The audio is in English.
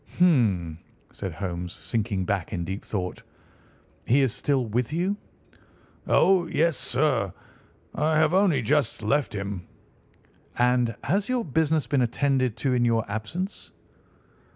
"Hum!" said Holmes, sinking back in deep thought. "He is still with you?" "Oh, yes, sir; I have only just left him." "And has your business been attended to in your absence?"